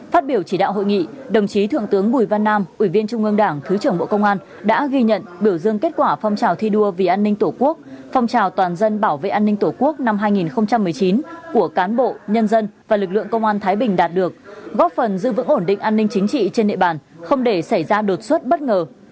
phát biểu chỉ đạo hội nghị đồng chí thượng tướng bùi văn nam ủy viên trung ương đảng thứ trưởng bộ công an đã ghi nhận biểu dương kết quả phong trào thi đua vì an ninh tổ quốc phong trào toàn dân bảo vệ an ninh tổ quốc năm hai nghìn một mươi chín của cán bộ nhân dân và lực lượng công an thái bình đạt được góp phần giữ vững ổn định an ninh chính trị trên địa bàn không để xảy ra đột xuất bất ngờ